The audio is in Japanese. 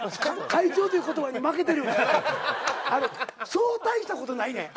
そう大したことないねん。